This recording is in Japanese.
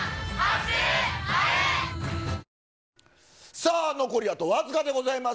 さあ、残りあと僅かでございます。